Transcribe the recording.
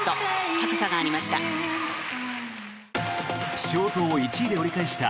高さがありました。